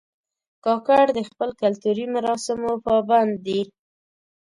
کاکړ د خپلو کلتوري مراسمو پابند دي.